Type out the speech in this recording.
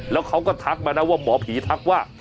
แล้วเขาก็ทักมานะว่าหมอผีทักว่า